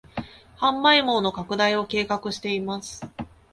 販売網の拡大を計画しています